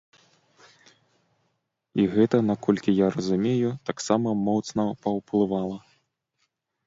І гэта, наколькі я разумею, таксама моцна паўплывала.